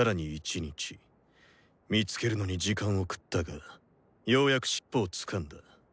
見つけるのに時間を食ったがようやく尻尾をつかんだ。